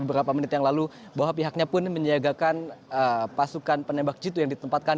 beberapa menit yang lalu bahwa pihaknya pun menyiagakan pasukan penembak jitu yang ditempatkan